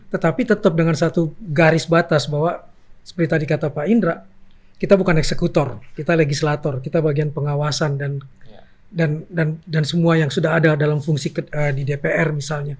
tetapi tetap dengan satu garis batas bahwa seperti tadi kata pak indra kita bukan eksekutor kita legislator kita bagian pengawasan dan semua yang sudah ada dalam fungsi di dpr misalnya